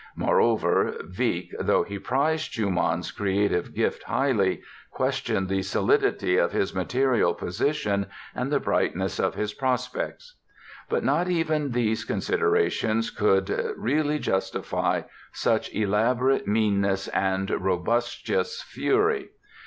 Moreover, Wieck, though he prized Schumann's creative gift highly, questioned the solidity of his material position and the brightness of his prospects. But not even these considerations could really justify such elaborate meanness and robustious fury.